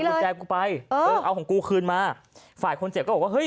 กุญแจกูไปเออเอาของกูคืนมาฝ่ายคนเจ็บก็บอกว่าเฮ้